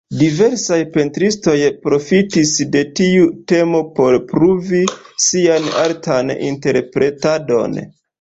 Diversaj pentristoj profitis de tiu temo por pruvi sian artan interpretadon.